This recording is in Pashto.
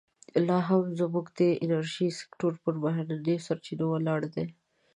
لا هم زموږ د انرژۍ سکتور پر بهرنیو سرچینو ولاړ دی.